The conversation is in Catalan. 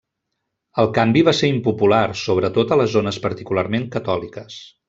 El canvi va ser impopular, sobretot a les zones particularment catòliques.